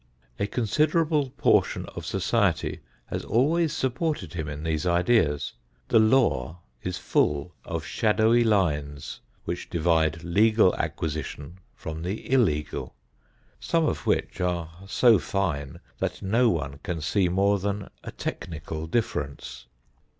A considerable portion of society has always supported him in these ideas. The law is full of shadowy lines which divide legal acquisition from the illegal, some of which are so fine that no one can see more than a technical difference.